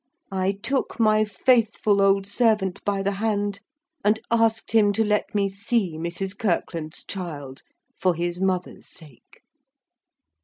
I took my faithful old servant by the hand, and asked him to let me see Mrs. Kirkland's child, for his mother's sake.